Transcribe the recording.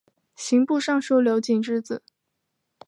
刑部尚书刘璟之子。